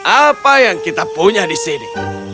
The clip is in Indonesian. apa yang kita punya di sini